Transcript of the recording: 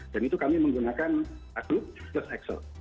dan itu kami menggunakan grup plus excel